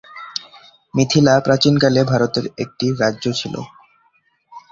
মিথিলা প্রাচীন কালে ভারতের একটি রাজ্য ছিল।